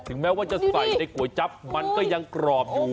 แม้ว่าจะใส่ในก๋วยจั๊บมันก็ยังกรอบอยู่